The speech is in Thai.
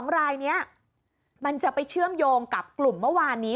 ๒รายนี้มันจะไปเชื่อมโยงกับกลุ่มเมื่อวานนี้